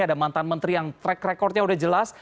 ada mantan menteri yang track recordnya udah jelas